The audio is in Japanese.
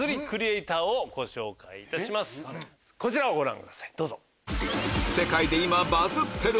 こちらをご覧ください。